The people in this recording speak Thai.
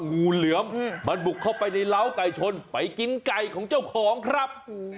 งูเหลือมมันบุกเข้าไปในร้าวไก่ชนไปกินไก่ของเจ้าของครับ